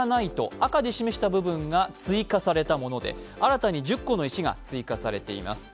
赤で示した部分が追加された部分で新たに１０個の石が追加されています。